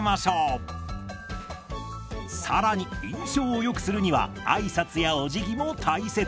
更に印象をよくするには挨拶やお辞儀も大切。